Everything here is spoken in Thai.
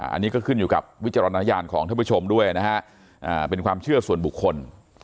อันนี้ก็ขึ้นอยู่กับวิจารณญาณของท่านผู้ชมด้วยนะฮะเป็นความเชื่อส่วนบุคคล